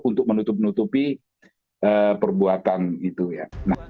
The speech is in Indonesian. untuk menutup nutupi perbuatan itu ya